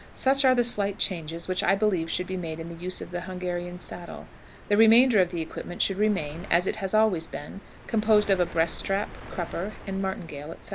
Such are the slight changes which I believe should be made in the use of the Hungarian saddle. The remainder of the equipment should remain (as it always has been) composed of a breast strap, crupper, and martingale, etc."